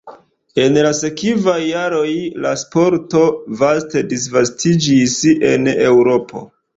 En la sekvaj jaroj la sporto vaste disvastiĝis en Eŭropo.